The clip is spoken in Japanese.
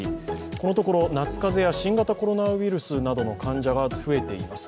このところ夏風邪や新型コロナウイルスなどの患者が増えています。